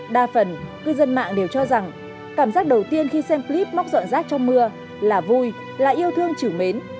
đa phần cư dân mạng đều cho rằng cảm giác đầu tiên khi xem clip móc dọn rác trong mưa là vui là yêu thương chử mến